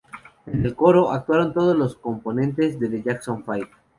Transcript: En el coro, actuaron todos los componentes de The Jackson Five.